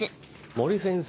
森先生